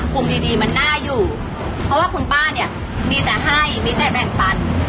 ดีดีมันน่าอยู่เพราะว่าคุณป้าเนี่ยมีแต่ให้มีแต่แบ่งปัน